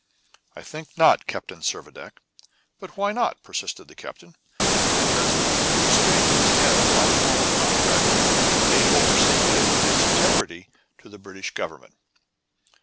"I think not, Captain Servadac." "But why not?" persisted the captain. "Because these very Spaniards have, by formal contract, made over Ceuta, in its integrity, to the British government."